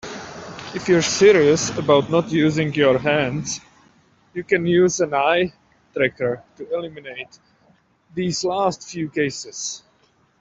If you're serious about not using your hands, you can use an eye tracker to eliminate these last few cases.